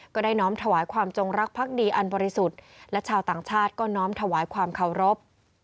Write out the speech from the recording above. ได้น้อมถวายความจงรักพักดีอันบริสุทธิ์และชาวต่างชาติก็น้อมถวายความเคารพ